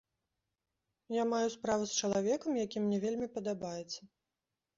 Я маю справу з чалавекам, які мне вельмі падабаецца.